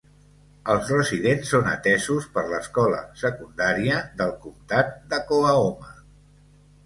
Els residents són atesos per l'escola secundària del comtat de Coahoma.